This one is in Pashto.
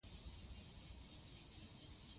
سیلاني ځایونه د افغان کلتور په داستانونو کې دي.